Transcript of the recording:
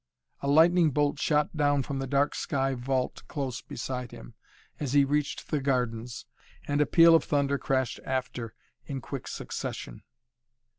A lightning bolt shot down from the dark sky vault close beside him as he reached the gardens, and a peal of thunder crashed after in quick succession.